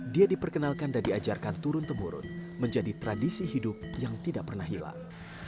dia diperkenalkan dan diajarkan turun temurun menjadi tradisi hidup yang tidak pernah hilang